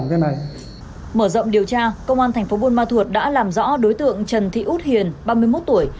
mở rộng điều tra công an thành phố buôn ma thuột đã làm rõ đối tượng trần thị út hiền ba mươi một tuổi